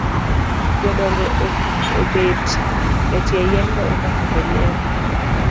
Jodongo obet etie yien goyo mbaka to nyiero.